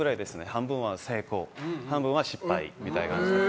半分は成功半分は失敗みたいな。